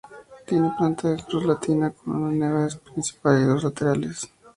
Tiene planta de cruz latina, con una nave principal y dos laterales.